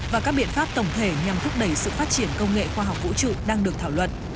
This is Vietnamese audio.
và các biện pháp tổng thể nhằm thúc đẩy sự phát triển công nghệ khoa học vũ trụ đang được thảo luận